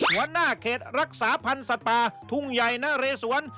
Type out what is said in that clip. หัวหน้าเขตรักษาพันธ์สัตว์ป่าทุ่งใหญ่นะเรสวน